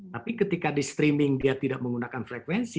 tapi ketika di streaming dia tidak menggunakan frekuensi